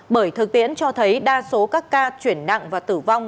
bởi thực tiễn cho thấy đa số các ca chuyển nặng và tử vong